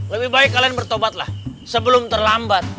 lebih baik kalian bertobatlah sebelum terlambat